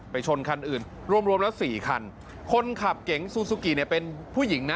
ชนคันอื่นรวมรวมแล้วสี่คันคนขับเก๋งซูซูกิเนี่ยเป็นผู้หญิงนะ